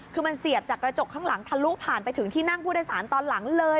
คือมันเสียบจากกระจกข้างหลังทะลุผ่านไปถึงที่นั่งผู้โดยสารตอนหลังเลย